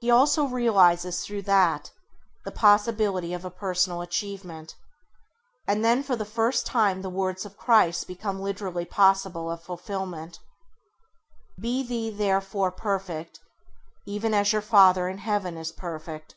He also realises through that the possibility of a personal achievement; and then for the first time the words of Christ become literally possible of fulfilment: ŌĆ£Be ye therefore perfect, even as your Father in Heaven is perfect".